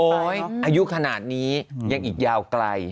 อายุขนาดนี้ยังอีกยาวไกล